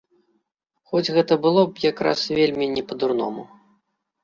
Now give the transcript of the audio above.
Хоць гэта было б якраз вельмі не па-дурному.